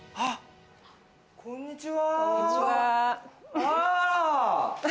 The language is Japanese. こんにちは。